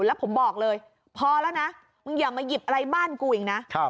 แล้วผมบอกเลยพอแล้วนะมึงอย่ามาหยิบอะไรบ้านกูอีกนะ